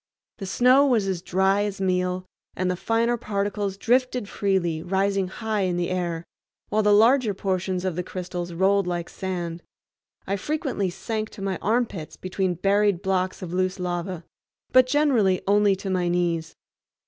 The snow was as dry as meal, and the finer particles drifted freely, rising high in the air, while the larger portions of the crystals rolled like sand. I frequently sank to my armpits between buried blocks of loose lava, but generally only to my knees.